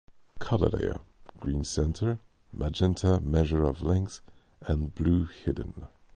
Color layer: Green-Center, Magenta-Measure of length and Blue-Hidden.